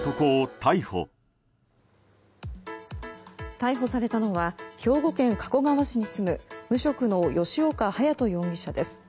逮捕されたのは兵庫県加古川市に住む無職の吉岡隼人容疑者です。